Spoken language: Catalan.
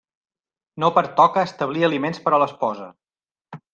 No pertoca establir aliments per a l'esposa.